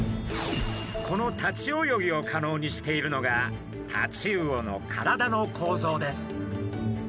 この立ち泳ぎを可能にしているのがタチウオの体の構造です。